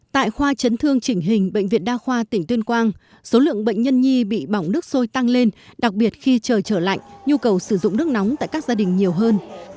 tại khoa chấn thương chỉnh hình bệnh viện đa khoa tỉnh tuyên quang số lượng bệnh nhân nhi bị bỏng nước sôi tăng lên đặc biệt khi trời trở lạnh nhu cầu sử dụng nước nóng tại các gia đình nhiều hơn